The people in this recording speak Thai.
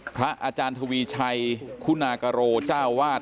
พระอาจารย์ทวีชัยคุณากโรเจ้าวาด